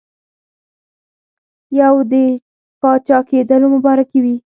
یو د پاچاکېدلو مبارکي وي.